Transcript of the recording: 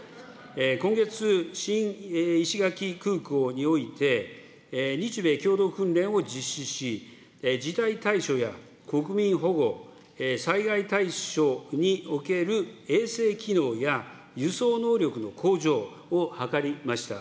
今月、新石垣空港において、日米共同訓練を実施し、事態対処や国民保護、災害対処における衛星機能や、輸送能力の向上を図りました。